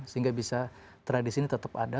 sehingga bisa tradisi ini tetap ada